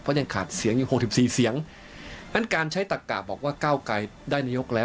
เพราะยังขาดเสียงยัง๖๔เสียงงั้นการใช้ตะกะบอกว่าเก้าไกรได้นายกแล้ว